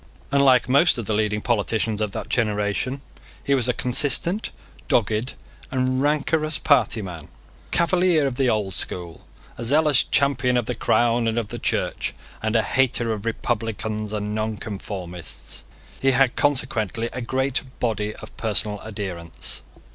Unlike most of the leading politicians of that generation he was a consistent, dogged, and rancorous party man, a Cavalier of the old school, a zealous champion of the Crown and of the Church, and a hater of Republicans and Nonconformists. He had consequently a great body of personal adherents.